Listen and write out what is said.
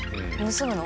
盗むの？